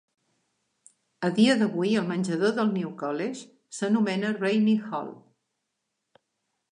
A dia d'avui, el menjador del New College s'anomena Rainy Hall.